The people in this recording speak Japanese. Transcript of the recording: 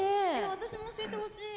私も教えてほしい！